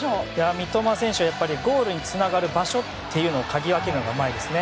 三笘選手はゴールにつながる場所というのをかぎ分けるのがうまいですね。